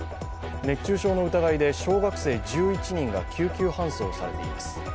熱中症の疑いで小学生１１人が救急搬送されています。